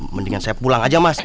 mendingan saya pulang aja mas